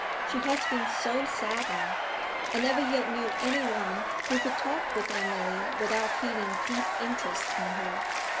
She has been so saddened. I never yet knew any one who could talk with Emily without feeling deep interest in her.